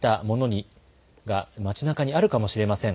こうした場所、ほかにもあるかもしれません。